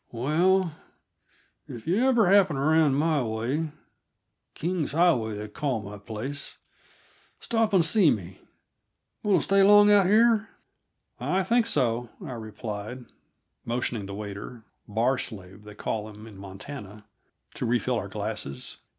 "Well, if you ever happen around my way King's Highway, they call my place stop and see me. Going to stay long out here?" "I think so," I replied, motioning the waiter "bar slave," they call them in Montana to refill our glasses.